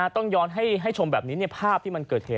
ต้องย้อนให้ชมแบบนี้ภาพที่มันเกิดเหตุ